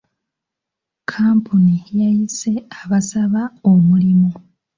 Kkampuni yayise abasaba omulimu.